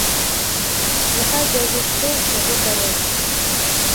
Няхай бяжыць той, хто гэта робіць.